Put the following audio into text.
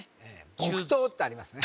木刀ってありますね